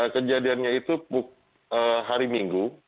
kejadiannya itu hari minggu